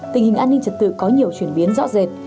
tình hình an ninh trật tự có nhiều chuyển biến rõ rệt